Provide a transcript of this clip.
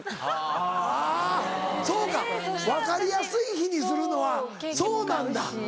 あぁそうか分かりやすい日にするのはそうなんだ。